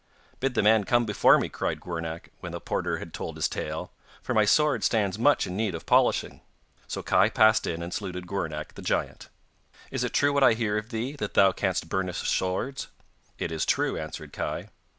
'Bid the man come before me,' cried Gwrnach, when the porter had told his tale, 'for my sword stands much in need of polishing,' so Kai passed in and saluted Gwrnach the giant. 'Is it true what I hear of thee, that thou canst burnish swords?' 'It is true,' answered Kai.